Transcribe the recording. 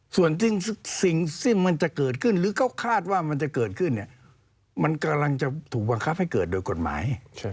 ส่วนสิ่งที่มันจะเกิดขึ้นหรือเขาคาดว่ามันจะเกิดขึ้นเนี่ยมันกำลังจะถูกบังคับให้เกิดโดยกฎหมาย